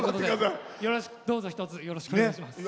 どうぞ一つよろしくお願いします。